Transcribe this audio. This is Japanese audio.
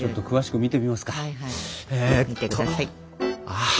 あ。